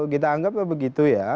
kita anggap begitu ya